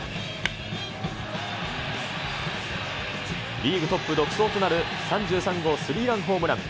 リーグトップ独走となる３３号スリーランホームラン。